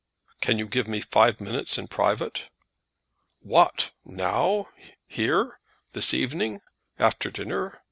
"Can you give me five minutes in private?" "What! now! here! this evening! after dinner?